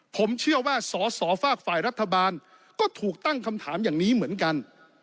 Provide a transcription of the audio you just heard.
ผมเชื่อว่าสอสอฝากฝ่ายรัฐบาลก็ถูกตั้งคำถามอย่างนี้เหมือนกัน